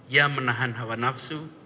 ya menahan hawa nafsu